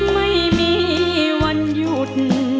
ไม่มีวันหยุด